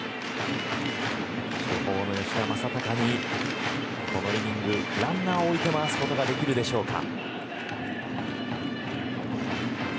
主砲の吉田正尚にこのイニング、ランナーを置いて回すことができるでしょうか。